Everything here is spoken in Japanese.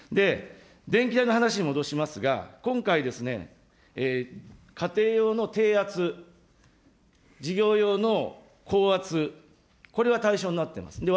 電気代の話に戻しますが、今回、家庭用の低圧、事業用の高圧、これが対象になっているんです。